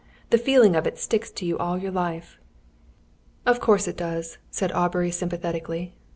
The feeling of it sticks to you all your life." "Of course it does," said Aubrey sympathetically.